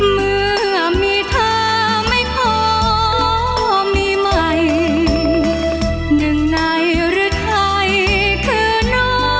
เมื่อมีเธอไม่ขอมีใหม่หนึ่งในหรือใครคือน้อง